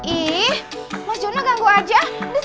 ih mas jurna ganggu aja